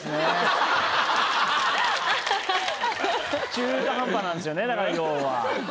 そう中途半端なんですよねだから要は。